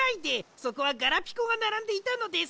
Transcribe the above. そこはガラピコがならんでいたのです。